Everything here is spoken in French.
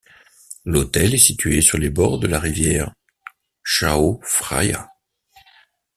L'hôtel est situé sur les bords de la rivière Chao Phraya.